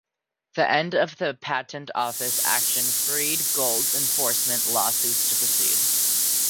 The end of the Patent Office action freed Gould's enforcement lawsuits to proceed.